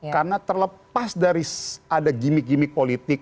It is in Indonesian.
karena terlepas dari ada gimmick gimmick politik